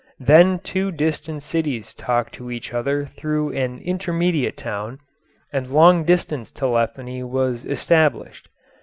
Then two distant cities talked to each other through an intermediate town, and long distance telephony was established.